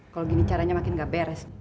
kalau gini caranya makin gak beres